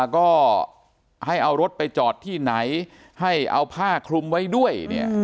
ก็ให้เอารถไปจอดที่ไหนให้เอาผ้าคลุมไว้ด้วย